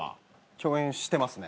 共演してますね。